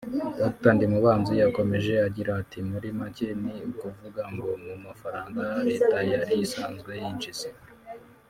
Dr Ndimubanzi yakomeje agira ati “Muri make ni ukuvuga ngo mu mafaranga leta yari isanzwe yinjiza